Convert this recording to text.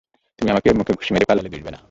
তুমি আমাকে মুখে ঘুষি মেরে পালালে দুষবে না।